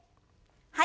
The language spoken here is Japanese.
はい。